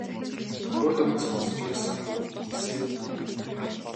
Урьд өмнө нь сонсож байсан үгсээ хүн мэддэг.